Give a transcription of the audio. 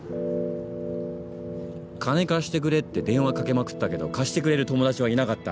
金貸してくれって電話かけまくったけど貸してくれる友達はいなかった。